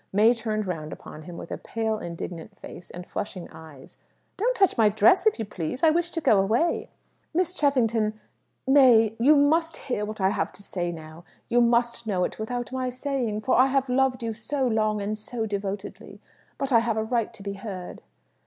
May turned round upon him with a pale, indignant face, and flashing eyes. "Don't touch my dress, if you please. I wish to go away." "Miss Cheffington May you must hear what I have to say now. You must know it without my saying, for I have loved you so long and so devotedly. But I have a right to be heard."